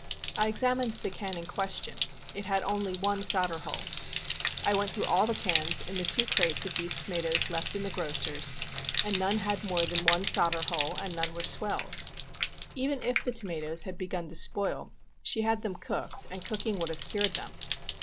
I examined the can in question ; it had only one solder hole. I went through all the cans in the two crates of these toma toes left in the grocer's, and none had more than one solder hole, and none were swells. Even if the tomatoes had begun to spoil she had them cooked, and cooking would have cured them.